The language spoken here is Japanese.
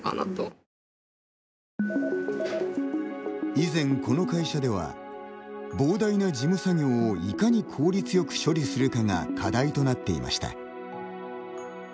以前この会社では膨大な事務作業をいかに効率よく処理するかが課題となっていました。